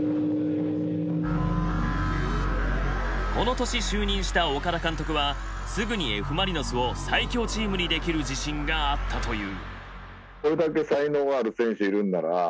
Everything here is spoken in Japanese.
この年就任した岡田監督はすぐにＦ・マリノスを最強チームにできる自信があったという。